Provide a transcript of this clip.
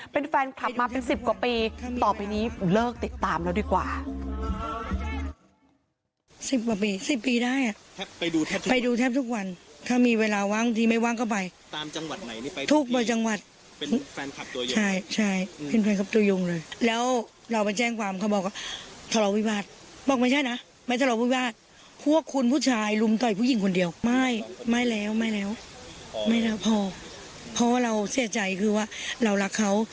เป็นแฟนคลับมาเป็น๑๐กว่าปีต่อไปนี้เลิกติดตามเราดีกว่า